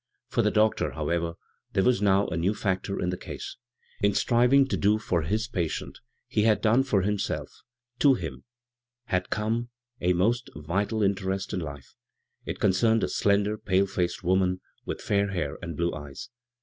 For the doctor, however, there was now a new factor in the case. In striving to do for his patient, he had done for himself — to him had suddenly come a most vital interest in life ; it concerned a slender, pale faced woman with fair hair and blue eyes.